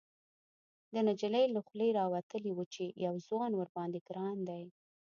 ، د نجلۍ له خولې راوتلي و چې يو ځوان ورباندې ګران دی.